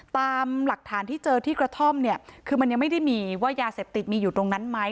ตามหลักฐานที่เจอที่กระท่อมเนี่ยคือมันยังไม่ได้มีว่ายาเสพติดมีอยู่ตรงนั้นไหม